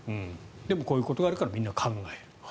でもこういうことがあるから、みんな考える。